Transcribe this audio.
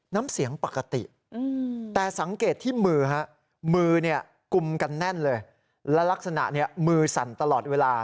น้ำเสียงปกติแต่สังเกตที่มือฮะมือเนี่ยกุมกันแน่นเลยและลักษณะมือสั่นตลอดเวลา